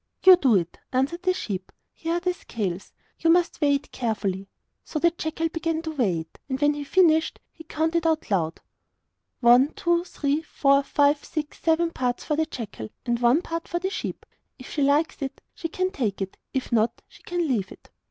'You do it,' answered the sheep; 'here are the scales. You must weigh it carefully.' So the jackal began to weigh it, and when he had finished, he counted out loud: 'One, two, three, four, five, six, seven parts for the jackal, and one part for the sheep. If she likes it she can take it, if not, she can leave it.